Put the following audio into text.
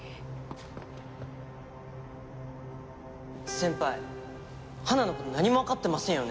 先輩花の事何もわかってませんよね？